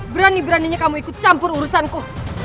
berani beraninya kamu ikut campur urusanku